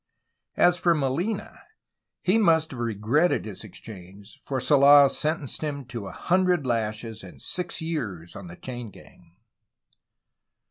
As for Molina he must have regretted his exchange, for Sola sentenced him to a hundred lashes and six years on the chain gang.